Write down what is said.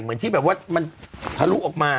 เหมือนที่แบบว่ามันทะลุออกมา